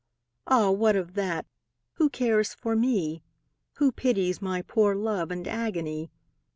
Ah, what of that, who cares for me? Who pities my poor love and agony?